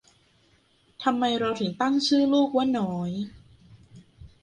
ทำไมเราถึงตั้งชื่อลูกว่าน้อย